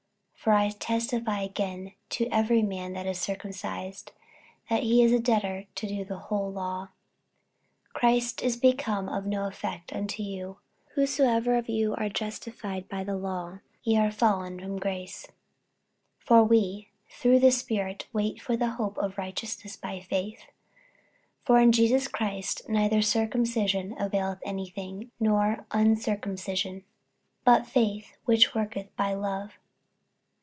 48:005:003 For I testify again to every man that is circumcised, that he is a debtor to do the whole law. 48:005:004 Christ is become of no effect unto you, whosoever of you are justified by the law; ye are fallen from grace. 48:005:005 For we through the Spirit wait for the hope of righteousness by faith. 48:005:006 For in Jesus Christ neither circumcision availeth any thing, nor uncircumcision; but faith which worketh by love.